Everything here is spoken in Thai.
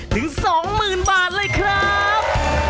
ถึง๒๐๐๐บาทเลยครับ